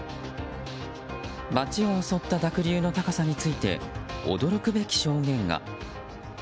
街を襲った濁流の高さについて驚くべき証言が。